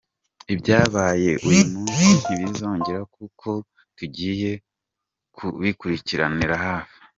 Ibyabaye uyu munsi ntibizongera kuko tugiye kubikurikiranira hafi.